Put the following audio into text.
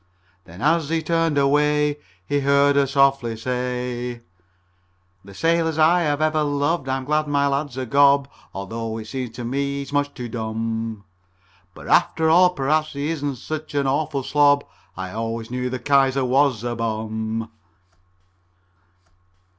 Then as he turned away He heard her softly say: CHORUS "The sailors I have ever loved. I'm glad my lad's a gob, Although it seems to me he's much too dumb. But after all perhaps he isn't such an awful slob I always knew that Kaiser was a bum!"